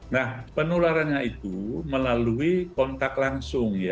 nah penularannya itu melalui kontak langsung ya